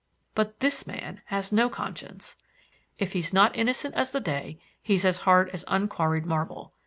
But this man has no conscience. If he is not innocent as the day, he's as hard as unquarried marble.